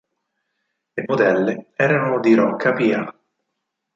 Le modelle erano di Rocca Pia.